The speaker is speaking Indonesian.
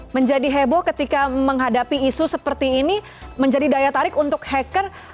menjadi heboh ketika menghadapi isu seperti ini menjadi daya tarik untuk hacker